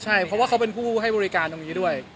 ใช่เพราะว่าเขาเป็นผู้ให้บริการตรงนี้ด้วย